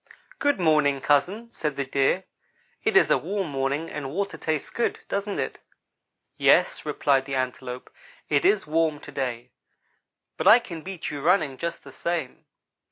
"'Good morning, cousin,' said the Deer. 'It is a warm morning and water tastes good, doesn't it?' "'Yes,' replied the Antelope, 'it is warm to day, but I can beat you running, just the same.'